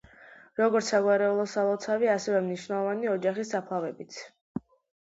როგორც საგვარეულო სალოცავი ასევე მნიშვნელოვანი ოჯახის საფლავებიც.